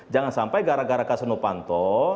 jangan sampai gara gara kasus novanto